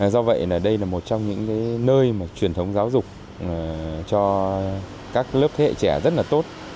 do vậy đây là một trong những nơi mà truyền thống giáo dục cho các lớp thế hệ trẻ rất là tốt